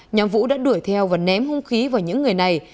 nhóm vũ đã đuổi theo và ném hung khí vào những người này